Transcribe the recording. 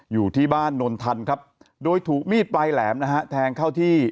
อยู่ที่บ้านนนทันครับโดยถูกมีดปลายแหลมนะฮะแทงเข้าที่